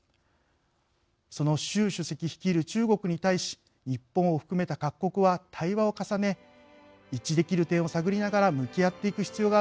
その習主席率いる中国に対し日本を含めた各国は対話を重ね一致できる点を探りながら向き合っていく必要が